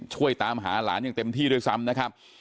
ช่วยตามหาหลานอย่างเต็มที่ด้วยซ้ำนะครับ